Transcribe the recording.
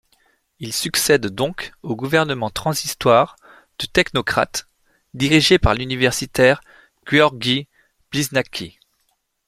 Il succède donc au gouvernement transitoire de technocrates dirigé par l'universitaire Gueorgui Bliznachki.